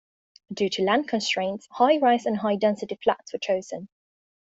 Due to land constraints, high-rise and high-density flats were chosen.